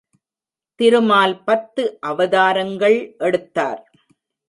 திருமால் பத்து அவதாரங்கள் எடுத்தார்.